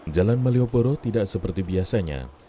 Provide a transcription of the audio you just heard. jalan malioboro tidak seperti biasanya